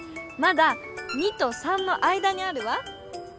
まだ「２」と「３」の間にあるわ。